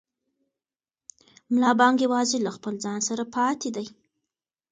ملا بانګ یوازې له خپل ځان سره پاتې دی.